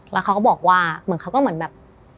แล้วเขาก็บอกว่าเหมือนเขาก็เหมือนแบบ